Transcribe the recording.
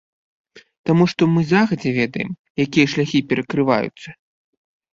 Таму што мы загадзя ведаем, якія шляхі перакрываюцца.